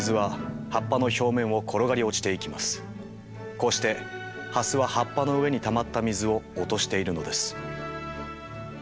こうしてハスは葉っぱの上にたまった水を落としているのです。